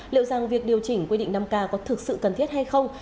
liệu rằng việc điều chỉnh quy định năm k có thực sự cần thiết hay không